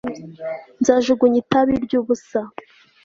nzajugunya itabi ryubusa